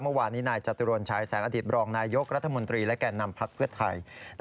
เมื่อวานนี้นายจตุรนชายแสงอดีตบรองนายยกรัฐมนตรีและแก่นำพักเพื่อไทย